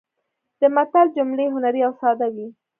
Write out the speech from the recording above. د متل جملې هنري او ساده وي